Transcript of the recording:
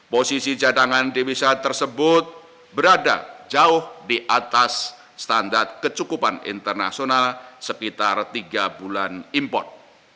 posisi cadangan devisa tersebut berada jauh di atas standar kecukupan internasional sekitar tiga bulan import